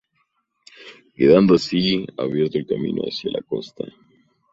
Quedando así abierto el camino hacia la costa.